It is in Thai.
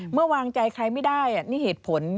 วางใจใครไม่ได้นี่เหตุผล